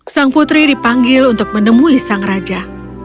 sang putri dipanggil untuk menemui sang raja